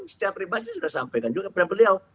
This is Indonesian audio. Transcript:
setiap pribadi saya sudah sampaikan juga kepada beliau